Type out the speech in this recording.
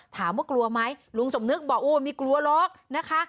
กลัวไหมลุงสมนึกบอกโอ้ไม่กลัวหรอกนะคะ